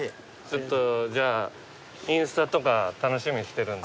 ちょっとじゃあインスタとか楽しみにしてるんで。